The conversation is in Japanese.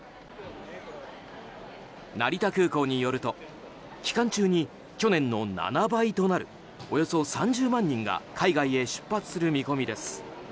成田空港によると期間中に去年の７倍となるおよそ３０万人が海外へ出発する見込みです。